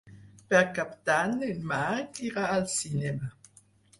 Per Cap d'Any en Marc irà al cinema.